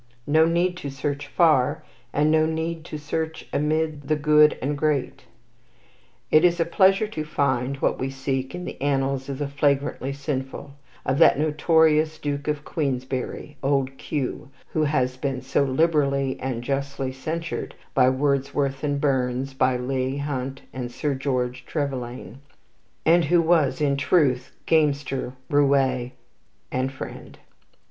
No need to search far, and no need to search amid the good and great. It is a pleasure to find what we seek in the annals of the flagrantly sinful, of that notorious Duke of Queensberry, "Old Q," who has been so liberally and justly censured by Wordsworth and Burns, by Leigh Hunt and Sir George Trevelyan, and who was, in truth, gamester, roue, and friend.